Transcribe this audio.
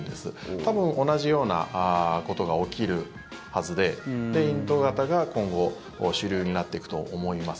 多分、同じようなことが起きるはずでインド型が今後主流になっていくと思います。